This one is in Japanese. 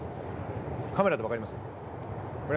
カメラでわかります？